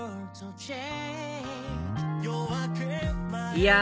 いや